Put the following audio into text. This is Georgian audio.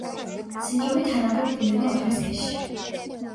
სინდრომი თანაბრად ვლინდება ორივე სქესში.